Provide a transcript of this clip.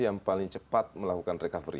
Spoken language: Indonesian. yang paling cepat melakukan recovery